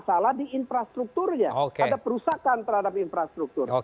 masalah di infrastrukturnya ada perusakan terhadap infrastruktur